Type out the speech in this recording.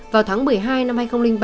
vào tháng một mươi hai năm hai nghìn ba